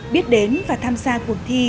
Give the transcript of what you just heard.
biết đến và tham gia cuộc thi